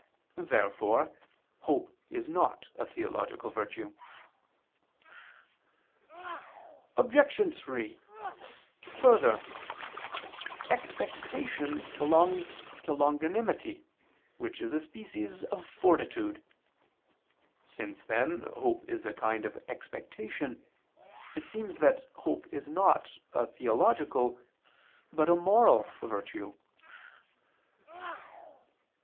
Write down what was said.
Therefore hope is not a theological virtue. Obj. 3: Further, expectation belongs to longanimity which is a species of fortitude. Since, then, hope is a kind of expectation, it seems that hope is not a theological, but a moral virtue.